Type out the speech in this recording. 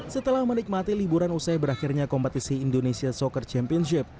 setelah menikmati liburan usai berakhirnya kompetisi indonesia soccer championship